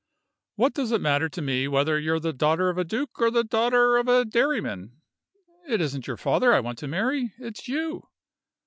What does it matter to me whether you're the daughter of a Duke or the daughter of a Dairyman? It isn't your father I want to marry it's you.